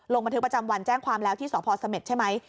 ลงบันทึกประจำวันแจ้งความแล้วที่สพเสม็ดใช่ไหม